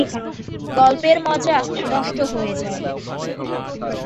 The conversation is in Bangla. গল্পের মজা নষ্ট হয়ে যায়।